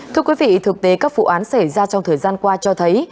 thưa quý vị thực tế các vụ án xảy ra trong thời gian qua cho thấy